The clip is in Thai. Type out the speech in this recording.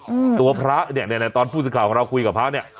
อืมตัวพระเนี่ยเนี้ยเนี้ยตอนผู้สื่อข่าวของเราคุยกับพระเนี้ย